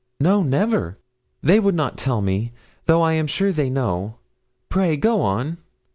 'No, never, they would not tell me, though I am sure they know. Pray go on.'